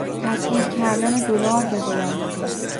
تسعیر کردن دلار به ریال